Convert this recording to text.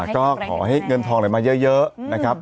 ก็ขอให้เงินทองอะไรมาเยอะนะครับ